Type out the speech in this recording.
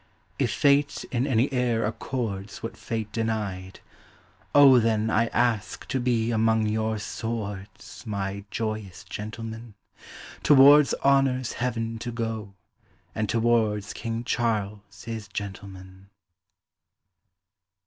If Fate in any air accords What Fate denied, O then I ask to be among your Swordes, My joyous gentlemen; Towards Honour's heaven to goe, and towards King Charles his gentlemen!